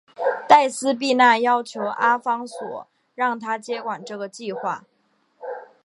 黛丝碧娜要求阿方索让她接管这个计画。